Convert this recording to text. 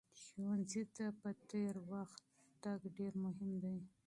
ښوونځي ته پر وخت تګ ډېر مهم دی.